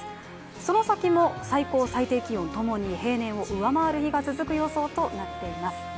その先も最高・最低気温ともに平年を上回る日が続く予想となっています。